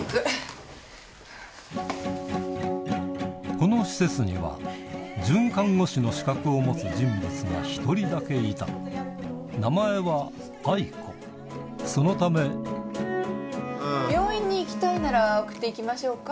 この施設には准看護師の資格を持つ人物が１人だけいた名前はそのため病院に行きたいなら送って行きましょうか？